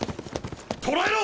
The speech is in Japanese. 捕らえろ！